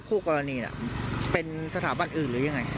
คู่กรณีเป็นสถาบันอื่นหรือยังไง